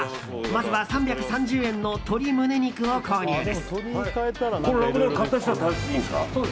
まずは３３０円の鶏胸肉を購入です。